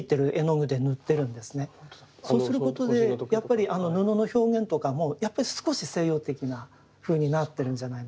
そうすることでやっぱりあの布の表現とかもやっぱり少し西洋的なふうになってるんじゃないのかなっていう。